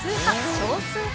少数派？